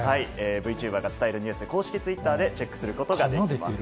Ｖチューバーが伝えるニュース、公式ツイッターでチェックすることができます。